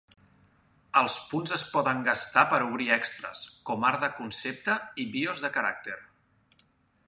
Els punts es poden gastar per obrir extres, com art de concepte i BIOS de caràcter.